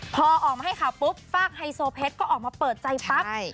พอออกมาให้ข่าวปุ๊บฝากไฮโซเพชรก็ออกมาเปิดใจปั๊บ